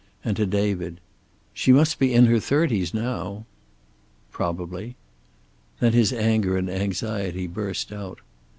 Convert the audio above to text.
And to David: "She must be in her thirties now." "Probably." Then his anger and anxiety burst out.